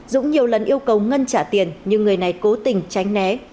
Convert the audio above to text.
dũng nhiều lần yêu cầu ngân trả tiền nhưng người này cố tình tránh né